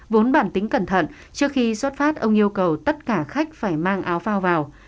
vốn bản tính cẩn thận trước khi xuất phát ông yêu cầu tất cả khách phải mang áo phao vào